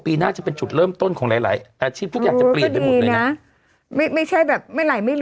ปีหน้าจะเป็นฉุดเริ่มต้นของหลายหลายอาชีพทุกอย่างจะเปลี่ยนไปหมดเลยน่ะ